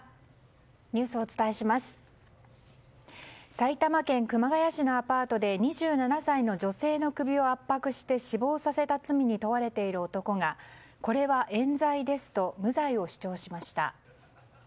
埼玉県熊谷市のアパートで２７歳の女性の首を圧迫して死亡させた罪に問われている男がこれは冤罪ですと無罪を主張しました。